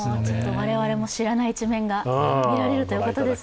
我々も知らない一面が見られるということですね。